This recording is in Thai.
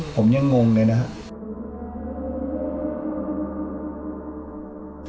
ผมยังงงเลยนะครับ